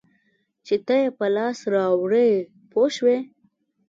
چې ته یې په لاس راوړې پوه شوې!.